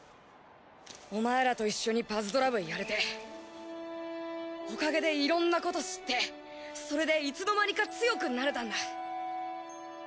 お前らと一緒にパズドラ部やれておかげでいろんなこと知ってそれでいつの間にか強くなれたんだ。